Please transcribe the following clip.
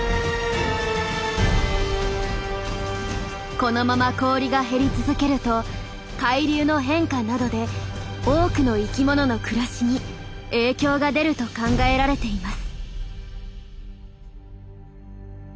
このまま氷が減り続けると海流の変化などで多くの生きものの暮らしに影響が出ると考えられています。